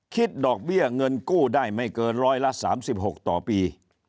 คิดดอกเบี้ยเงินกู้ได้ไม่เกินร้อยละ๓๖ต่อปี